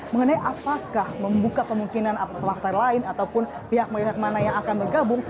mengenai apakah membuka kemungkinan partai lain ataupun pihak pihak mana yang akan bergabung